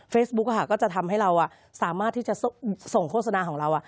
ก็จะทำให้เราสามารถที่จะส่งโฆษณาของเรา